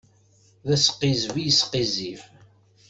D asqizzeb i yesqizzib.